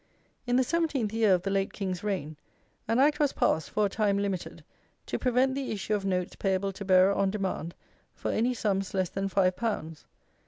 In the seventeenth year of the late King's reign, an act was passed for a time limited, to prevent the issue of notes payable to bearer on demand, for any sums less than five pounds.